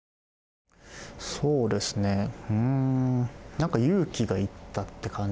そうですねうんなんか勇気がいったって感じですかね。